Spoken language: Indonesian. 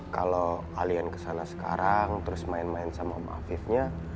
kalau kalian kesana sekarang terus main main sama mbak afifnya